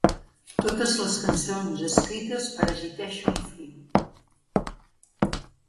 Totes les cançons escrites per Agitation Free.